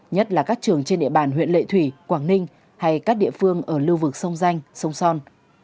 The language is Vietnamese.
nhất là các trường trên địa bàn huyện lệ thủy quảng ninh hay các địa phương ở lưu vực sông danh sông son